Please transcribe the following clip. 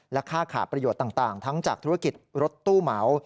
ค่าขาดประโยชน์ต่างทั้งจากธุรกิจรถตู้เหมา